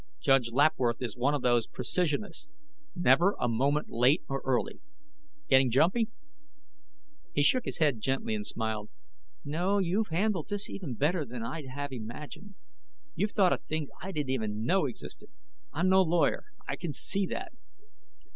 Judge Lapworth is one of those precisionists. Never a moment late or early. Getting jumpy?" He shook his head gently and smiled. "No. You've handled this even better than I'd have imagined. You thought of things I didn't even know existed. I'm no lawyer; I can see that."